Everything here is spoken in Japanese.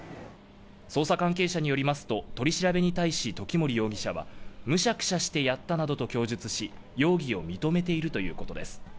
捜査関係者によりますと取り調べに対し、時森容疑者はむしゃくしゃしてやったなどと供述し容疑を認めているということです